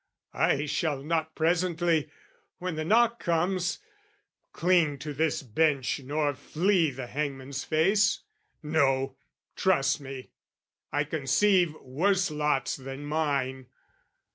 I shall not presently, when the knock comes, Cling to this bench nor flee the hangman's face, No, trust me! I conceive worse lots than mine.